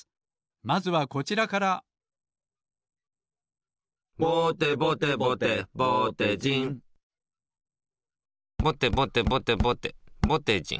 まずはこちらから「ぼてぼてぼてぼてじん」ぼてぼてぼてぼてぼてじん。